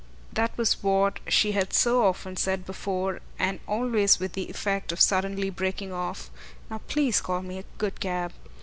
That was what she had so often said before, and always with the effect of suddenly breaking off: "Now please call me a good cab."